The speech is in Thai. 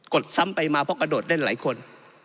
ดซ้ำไปมาเพราะกระโดดเล่นหลายคน